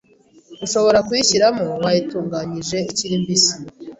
ushobora kuyishyiramo wayitunganyije ikiri mbisi